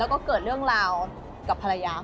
แล้วก็เกิดเรื่องราวกับภรรยา